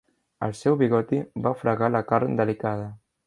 El seu bigoti va fregar la carn delicada.